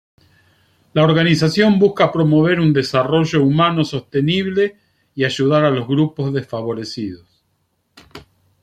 La organización busca promover un desarrollo humano sostenible y ayudar a los grupos desfavorecidos.